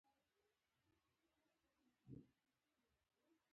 نوي مالیات او د باسوادۍ شرط د رایې ورکونکو د محرومیت لامل شول.